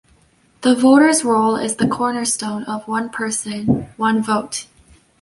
The voters roll is the cornerstone of one person - one vote.